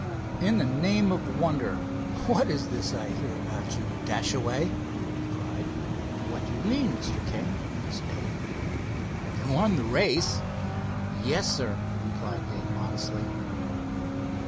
"In the name of wonder, what is this I hear about you, Dashaway?" he cried. "What do you mean, Mr. King?" asked Dave. "You won the race." "Yes, sir," replied Dave modestly.